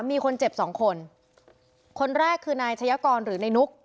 มีคนเจ็บสองคนคนแรกคือนายชายกรหรือในนุก